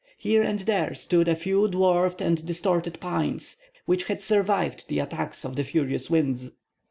Here and there stood a few dwarfed and distorted pines, which had survived the attacks of the furious winds.